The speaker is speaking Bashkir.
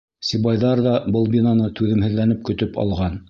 Сибайҙар ҙа был бинаны түҙемһеҙләнеп көтөп алған.